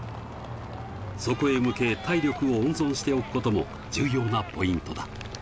そこへ向け体力を温存しておくことも重要なポイントだ。